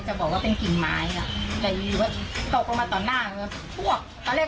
จะบอกว่าเป็นกิ่งไม้จะยืนว่าตกลงมาตอนหน้า